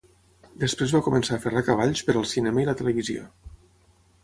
Després va començar a ferrar cavalls per al cinema i la televisió.